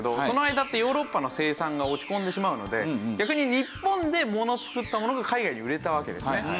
その間ってヨーロッパの生産が落ち込んでしまうので逆に日本でつくったものが海外に売れたわけですね。